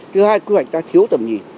thứ hai quy hoạch ta thiếu tầm nhìn